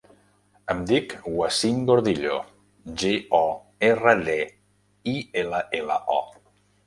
Em dic Wasim Gordillo: ge, o, erra, de, i, ela, ela, o.